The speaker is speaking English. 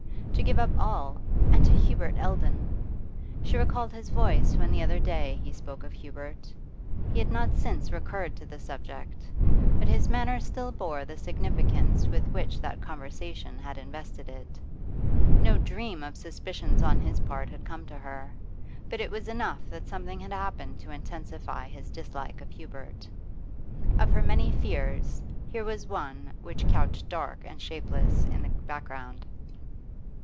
To give up all and to Hubert Eldon! She recalled his voice when the other day he spoke of Hubert. He had not since recurred to the subject, but his manner still bore the significance with which that conversation had invested it. No dream of suspicions on his part had come to her, but it was enough that something had happened to intensify his dislike of Hubert. Of her many fears, here was one which couched dark and shapeless in the background.